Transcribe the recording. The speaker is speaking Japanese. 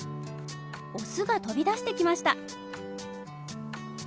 オスが飛び出してきました。